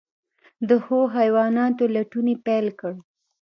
د ښو حیواناتو لټون یې پیل کړ.